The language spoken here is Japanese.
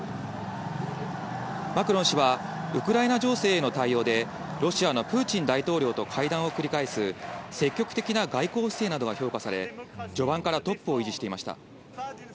マクロン氏はウクライナ情勢への対応で、ロシアのプーチン大統領と会談を繰り返す、積極的な外交姿勢などが評価され、序盤からトップを維持していました。